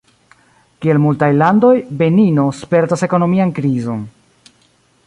Kiel multaj landoj, Benino spertas ekonomian krizon.